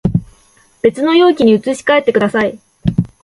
別の容器に移し替えてください